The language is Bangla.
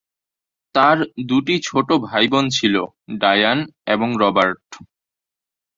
তাঁর দুটি ছোট ভাইবোন ছিল: ডায়ান এবং রবার্ট।